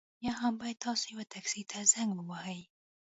یا هم باید تاسو یوه ټکسي ته زنګ ووهئ